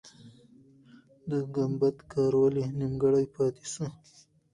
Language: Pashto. د ګمبد کار ولې نیمګړی پاتې سو؟